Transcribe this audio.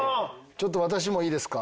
ちょっと私もいいですか？